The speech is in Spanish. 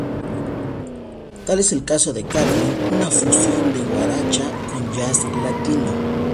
Tal es el caso de "Carmen", una fusión de guaracha con jazz latino.